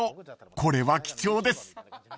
これは貴重です］